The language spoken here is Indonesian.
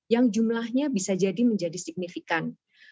yang jumlahnya bisa jadi menjadi signifikan